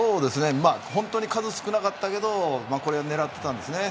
本当に数少なかったけど狙っていたんですね。